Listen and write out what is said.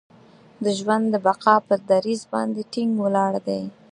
د ژوند د بقا پر دریځ باندې ټینګ ولاړ دی.